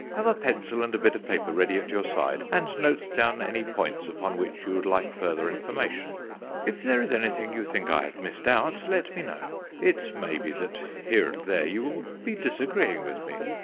Have a pencil and a bit of paper ready at your side, and note down any points upon which you would like further information. If there is anything you think I have missed out let me know. It may be that here and there you will be disagreeing with me.